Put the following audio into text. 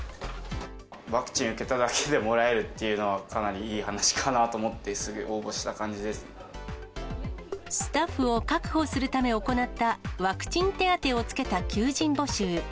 ワクチンを受けただけでもらえるっていうのは、かなりいい話かなと思って、すぐ応募した感じスタッフを確保するため行った、ワクチン手当をつけた求人募集。